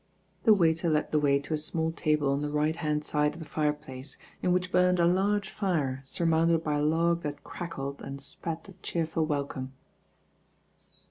The waiter led the way to a small table on the right hand side of the fireplace, in which burned a large fire surmounted by a log dut crackled and spat a cheerful welcome.